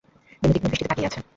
বিনু তীক্ষ্ণ দৃষ্টিতে তাকিয়ে আছে।